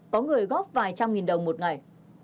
có người góp vài trăm nghìn đồng một ngày